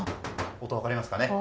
音、分かりますか。